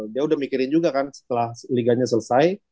dia udah mikirin juga kan setelah liganya selesai